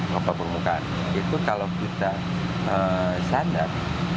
kapal berukuran itu kalau kita standar